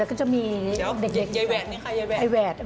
ก็จะมีเด็กพี่เคี้ยวแหวดนี่ค่ะ